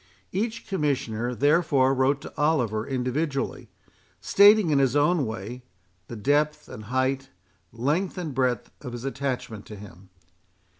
Each Commissioner, therefore, wrote to Oliver individually, stating, in his own way, the depth and height, length and breadth, of his attachment to him.